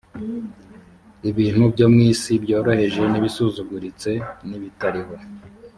ibintu byo mu isi byoroheje n ibisuzuguritse n ibitariho